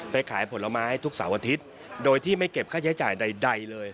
ขายผลไม้ทุกเสาร์อาทิตย์โดยที่ไม่เก็บค่าใช้จ่ายใดเลย